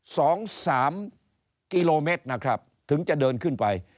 สองสามกิโลเมตรนะครับถึงจะเดินขึ้นไป